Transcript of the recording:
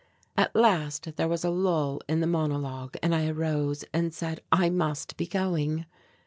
At last there was a lull in the monologue and I arose and said I must be going.